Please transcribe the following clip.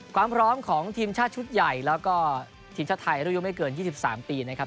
ความพร้อมของทีมชาติชุดใหญ่แล้วก็ทีมชาติไทยรุ่นอายุไม่เกิน๒๓ปีนะครับ